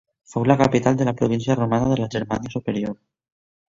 Fou la capital de la província romana de la Germània Superior.